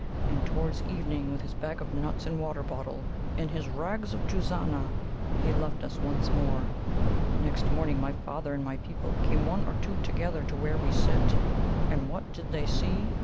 And towards evening, with his bag of nuts and water bottle, in his rags of Juzana, he left us once more. Next morning my father and my people came one or two together to where we sit, and what did they see?"